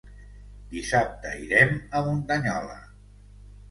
Dissabte irem a Muntanyola.